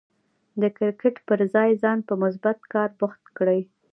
د کرکټ پر ځای ځان په مثبت کار بوخت کړئ.